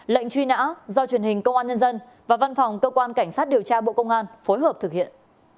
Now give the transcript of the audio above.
lệnh truy nã do truyền hình công an nhân dân và văn phòng cơ quan cảnh sát điều tra bộ công an phối hợp thực hiện